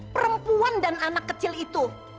perempuan dan anak kecil itu